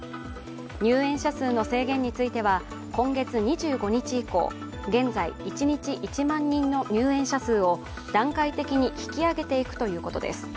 入園者数の制限については、今月２５日以降現在、１日１万人の入園者数を段階的に引き上げていくということです。